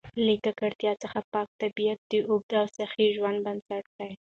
له ککړتیا څخه پاک طبیعت د اوږده او صحي ژوند بنسټ دی.